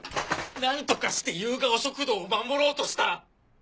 なんとかしてゆうがお食堂を守ろうとした！